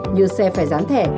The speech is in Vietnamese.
như xe phải dán thẻ